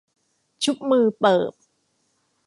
ชุบมือเปิบ